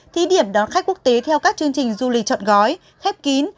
thí điểm đón khách quốc tế theo các chương trình du lịch chọn gói khép kín